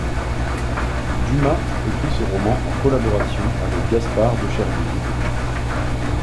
Dumas écrit ce roman en collaboration avec Gaspard de Cherville.